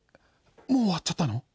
もう終わっちゃったの？